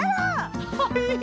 はい。